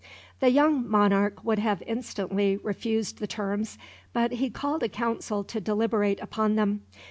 The young monarch would have instantly refused the terms, but he called a council to deliberate upon them.